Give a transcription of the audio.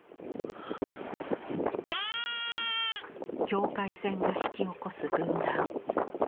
境界線が引き起こす分断。